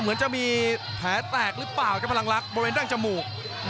เหมือนจะมีแผลแตกหรือเปล่าครับพลังลักษณ์บริเวณดั้งจมูก